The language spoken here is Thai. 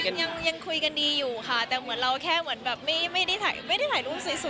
เจอกันทุกเดือนเดี๋ยวก็เจอกันแล้วเนี่ย